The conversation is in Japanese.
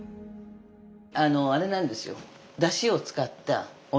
あのあれなんですよ。